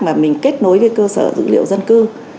mà mình kết nối với cơ sở dữ liệu dân cư